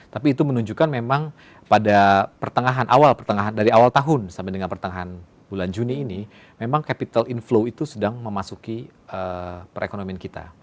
tapi itu menunjukkan memang pada awal tahun sampai dengan pertengahan bulan juni ini memang capital inflow itu sedang memasuki perekonomian kita